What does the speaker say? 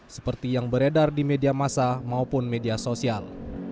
seperti yang beredar di media masa maupun media sosial